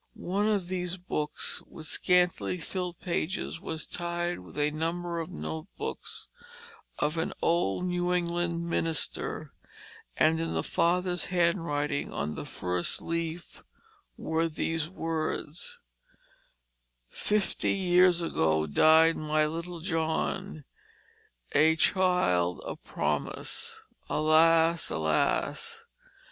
One of these books with scantily filled pages was tied with a number of note books of an old New England minister, and in the father's handwriting on the first leaf were these words: "Fifty years ago died my little John. A child of promise. Alas! alas!